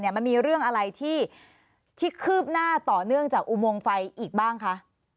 มันมีเรื่องอะไรที่คืบหน้าต่อเนื่องจากอุโมงไฟอีกบ้างคะ